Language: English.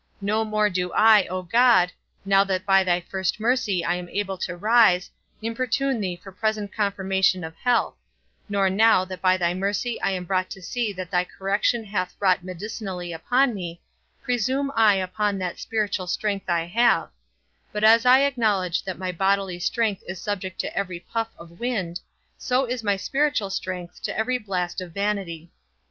No more do I, O God, now that by thy first mercy I am able to rise, importune thee for present confirmation of health; nor now, that by thy mercy I am brought to see that thy correction hath wrought medicinally upon me, presume I upon that spiritual strength I have; but as I acknowledge that my bodily strength is subject to every puff of wind, so is my spiritual strength to every blast of vanity.